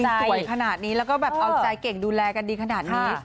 สวยขนาดนี้แล้วก็แบบเอาใจเก่งดูแลกันดีขนาดนี้